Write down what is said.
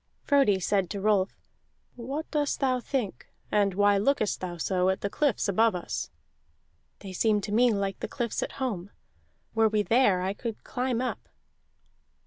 Frodi said to Rolf: "What dost thou think, and why look'st thou so at the cliffs above us?" "They seem to me like the cliffs at home. Were we there I could climb up."